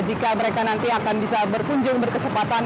jika mereka nanti akan bisa berkunjung berkesempatan